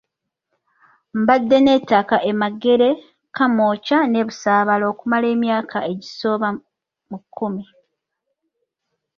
Mbadde n'ettaka e Magere, Kamwokya ne Busabaala okumala emyaka egisoba mu kkumi.